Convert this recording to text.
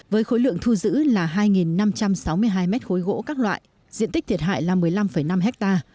với khối lượng thu giữ là hai năm trăm sáu mươi hai mét khối gỗ các loại diện tích thiệt hại là một mươi năm năm ha